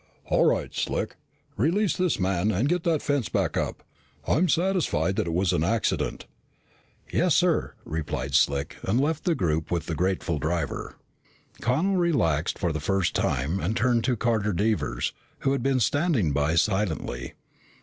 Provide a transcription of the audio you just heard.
"All right, Slick, release this man and get that fence back up. I'm satisfied that it was an accident." "Yes, sir," replied Slick, and left the group with the grateful driver. Connel relaxed for the first time and turned to Carter Devers who had been standing by silently.